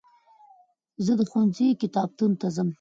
زه د ښوونځي کتابتون ته ځم.